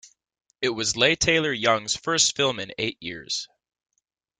It was Leigh Taylor-Young's first film in eight years.